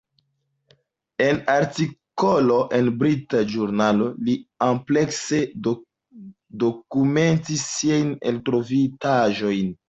En artikolo en brita ĵurnalo li amplekse dokumentis siajn eltrovitaĵojn.